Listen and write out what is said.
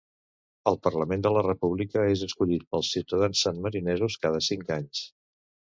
El Parlament de la República és escollit pels ciutadans sanmarinesos cada cinc anys.